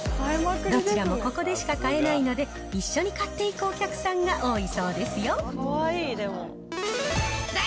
どちらもここでしか買えないので、一緒に買っていくお客さんが多いそうですよ。